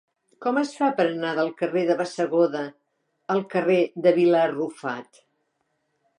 Com es fa per anar del carrer de Bassegoda al carrer de Vila Arrufat?